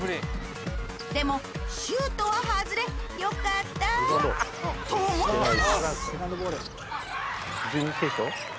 でもシュートは外れよかったと思ったら！